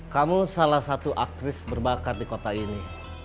kamu salah satu aktris berbakat di kota ini